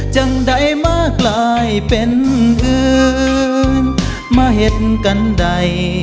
จังใดมากลายเป็นอื่นมาเห็นกันใด